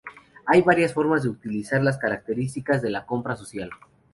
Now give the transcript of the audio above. Hay varias formas de utilizar las características de la compra social.